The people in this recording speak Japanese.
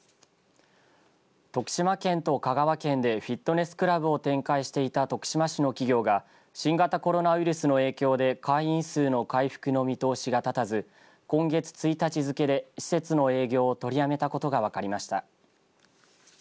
徳島県と香川県でフィットネスクラブを展開していた徳島市の企業が新型コロナウイルスの影響で会員数の回復の見通しが立たず今月１日付けで施設の営業を取りやめたことが分かりました。